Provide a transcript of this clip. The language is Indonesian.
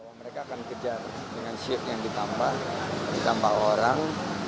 bahwa mereka akan kejar dengan shift yang ditambah ditambah orang